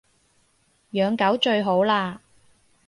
養狗最好喇